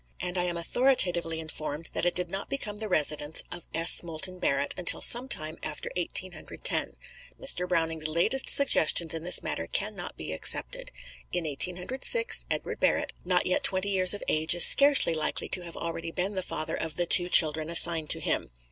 And I am authoritatively informed that it did not become the residence of S. Moulton Barrett until some time after Eighteen Hundred Ten. Mr. Browning's latest suggestions in this matter can not be accepted. In Eighteen Hundred Six, Edward Barrett, not yet twenty years of age, is scarcely likely to have already been the father of the two children assigned to him."